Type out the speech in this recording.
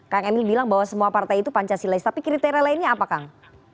kang emil bilang bahwa semua partai itu pancasilais tapi kriteria lainnya apa kang